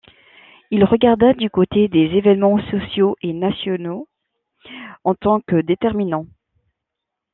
Il regarda du côté des événements sociaux et nationaux en tant que déterminants.